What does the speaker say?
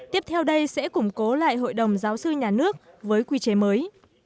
tiếp theo đây sẽ củng cố lại hội đồng giáo sư nhà nước với quy chế mới